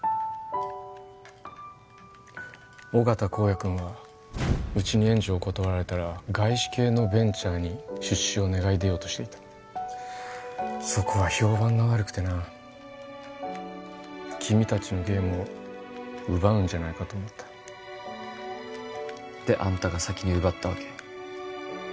緒方公哉君はうちに援助を断られたら外資系のベンチャーに出資を願い出ようとしていたそこは評判が悪くてな君達のゲームを奪うんじゃないかと思ったであんたが先に奪ったわけ？